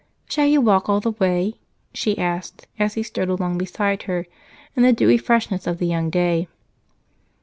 "Shall you walk all the way?" she asked as he strode along beside her in the dewy freshness of the young day.